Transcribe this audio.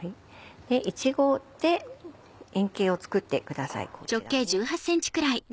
いちごで円形を作ってくださいこちらね。